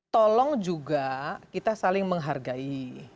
tolong juga kita saling menghargai